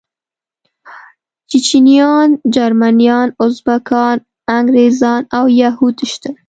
چيچنيايان، جرمنيان، ازبکان، انګريزان او يهود شته.